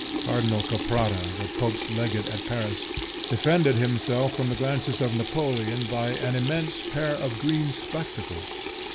Cardinal Caprara, the Pope's legate at Paris, defended himself from the glances of Napoleon by an immense pair of green spectacles.